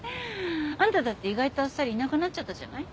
あんただって意外とあっさりいなくなっちゃったじゃない？